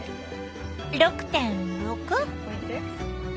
６．６？